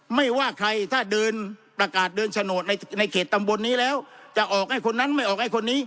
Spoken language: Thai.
ไม่ว่าใครถ้าเดินประกาศเดินโฉนดในเขตตำบลนี้แล้วจะออกให้คนนั้นไม่ออกไอ้คนนี้